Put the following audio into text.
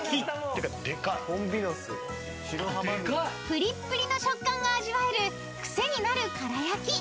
［プリップリの食感が味わえる癖になる殻焼き］